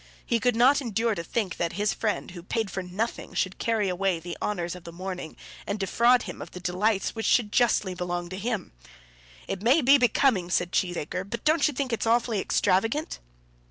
He could not endure to think that his friend, who paid for nothing, should carry away the honours of the morning and defraud him of the delights which should justly belong to him, "It may be becoming," said Cheesacre; "but don't you think it's awfully extravagant?"